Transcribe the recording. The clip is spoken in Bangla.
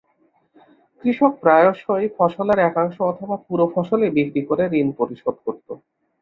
কৃষক প্রায়শই ফসলের একাংশ অথবা পুরো ফসলই বিক্রি করে ঋণ পরিশোধ করতো।